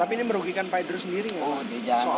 tapi ini merugikan pak idrus sendiri nggak